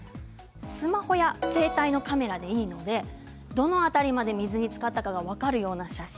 スマホや携帯のカメラでいいのでどの辺りまで水につかったかが分かるような写真。